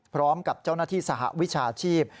พร้อมกับเจ้าหน้าที่สหวิชาชีพ